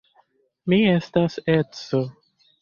Mi estas edzo.